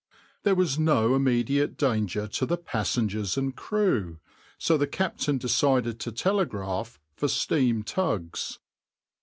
There was no immediate danger to the passengers and crew, so the captain decided to telegraph for steam tugs.